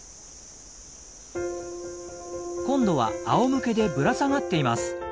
今度はあおむけでぶら下がっています。